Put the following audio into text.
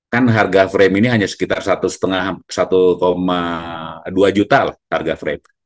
kan harga frame ini hanya sekitar satu dua juta lah harga frame